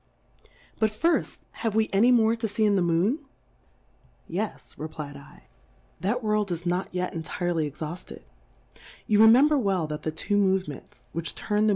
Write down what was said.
But firit, have we any more to fee in the Moon ? Yes, reply d /, that World is not yet entire ly exhaufted: You remember well that the two Movements, which turn the "~